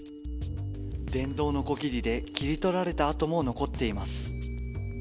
電動のこぎりで切り取られた痕も残っています。